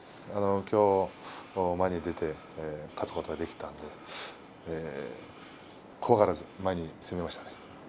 きょう前に出て勝つことができたんで怖がらず前に攻めましたね。